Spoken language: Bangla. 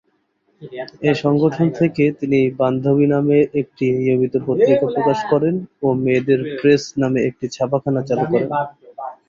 এ সংগঠন থেকে তিনি ‘বান্ধবী’ নামে একটি নিয়মিত পত্রিকা প্রকাশ করেন ও ‘মেয়েদের প্রেস’ নামে একটি ছাপাখানা চালু করেন।